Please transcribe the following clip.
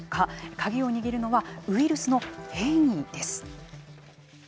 鍵を握るのはウイルスの変異です。